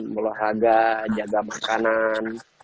berbahagia jaga makanan